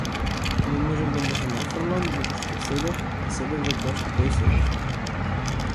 Не можев да му се нафрлам, зашто седев, а седев затоа што тој седеше.